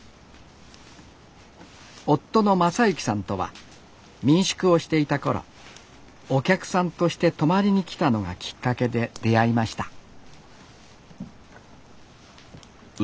夫の正幸さんとは民宿をしていた頃お客さんとして泊まりにきたのがきっかけで出会いました